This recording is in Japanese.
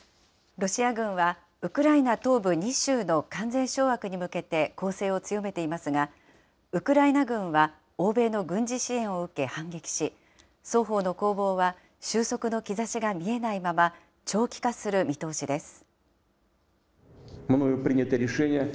ロシア軍は、ウクライナ東部２州の完全掌握に向けて攻勢を強めていますが、ウクライナ軍は欧米の軍事支援を受け反撃し、双方の攻防は収束の兆しが見えないまま長期化する見通しです。